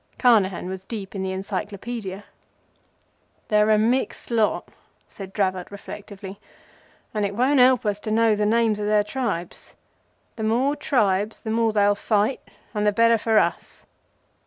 Carnehan was deep in the Encyclopædia. "They're a mixed lot," said Dravot, reflectively; "and it won't help us to know the names of their tribes. The more tribes the more they'll fight, and the better for us.